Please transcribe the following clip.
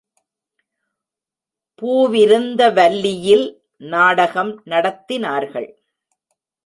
பூவிருந்தவல்லியில் நாடகம் நடத்தினார்கள்.